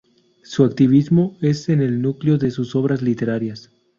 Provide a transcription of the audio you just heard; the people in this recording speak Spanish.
Su activismo es en el núcleo de sus obras literarias.